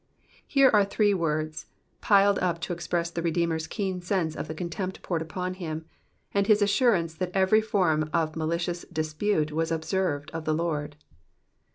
Here are three words piled up to express the Redeemer's keen sense of the contempt poured upon him ; ana his assurance that every form of malicious despite was observed of the Lord.